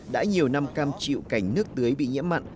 đã nhiều năm cam chịu cảnh nước tưới bị nhiễm mặn